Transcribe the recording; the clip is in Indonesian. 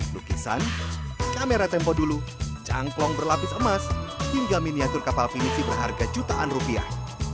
lukisan kamera tempo dulu cangklong berlapis emas hingga miniatur kapal pinifi berharga jutaan rupiah